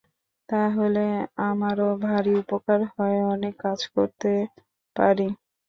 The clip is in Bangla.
তা হলে আমারও ভারি উপকার হয়, অনেক কাজ করতে পারি!